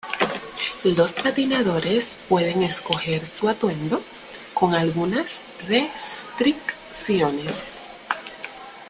Los patinadores pueden escoger su atuendo, con algunas restricciones.